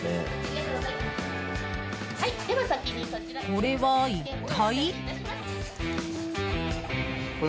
これは一体？